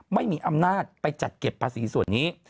ไม่มีอำนาจไปจัดเก็บภาษีส่วนนี้